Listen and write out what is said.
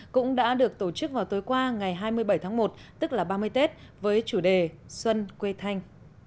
cũng đã được tổ chức vào tối qua ngày hai mươi bảy tháng một tức là ba mươi tết với chủ đề xuân quê thanh